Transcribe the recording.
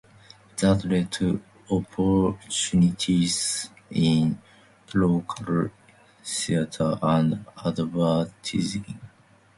That led to opportunities in local theater and advertising.